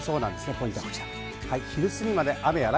ポイントはこちら。